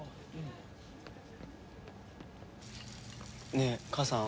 ねえ母さん。